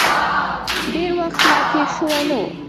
ډېر وخت لا تېر شوی نه و.